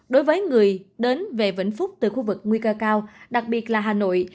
đối với người đến về vĩnh phúc từ khu vực nguy cơ cao đặc biệt là hà nội